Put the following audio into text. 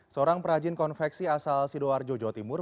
seorang perajin konveksi asal sidoarjo jawa timur